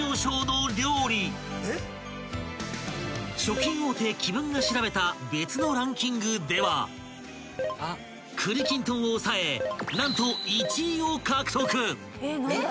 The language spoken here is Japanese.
［食品大手紀文が調べた別のランキングでは栗きんとんを抑え何と］